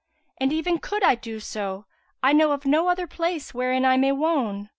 And even could I do so, I know of no other place wherein I may wone."